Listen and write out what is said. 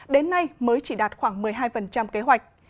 đến nay mới chỉ đạt khoảng một mươi hai kế hoạch